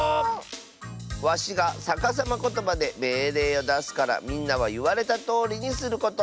わしがさかさまことばでめいれいをだすからみんなはいわれたとおりにすること！